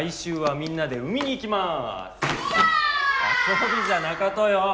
遊びじゃなかとよ。